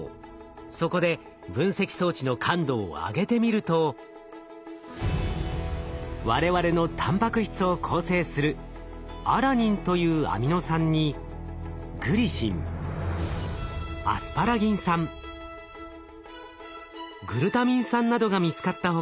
そこで分析装置の感度を上げてみると我々のたんぱく質を構成するアラニンというアミノ酸にグリシンアスパラギン酸グルタミン酸などが見つかった他